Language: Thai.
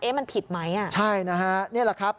เอ๊ะมันผิดไหมอ่ะใช่นะครับนี่แหละครับ